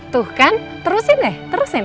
tuh kan terusin deh terusin